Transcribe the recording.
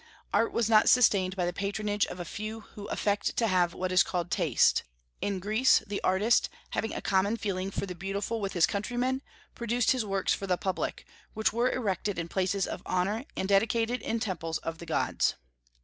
Art was not sustained by the patronage of a few who affect to have what is called taste; in Greece the artist, having a common feeling for the beautiful with his countrymen, produced his works for the public, which were erected in places of honor and dedicated in temples of the gods."